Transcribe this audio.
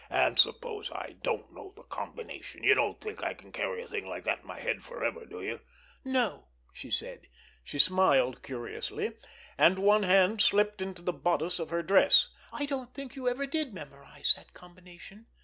"And suppose I don't know the combination! You don't think I can carry a thing like that in my head forever, do you?" "No," she said. She smiled curiously, and one hand slipped into the bodice of her dress. "I don't think you ever did memorize that combination.